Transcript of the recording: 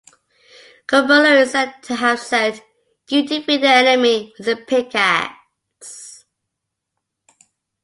Corbulo is said to have said, You defeat the enemy with a pickaxe.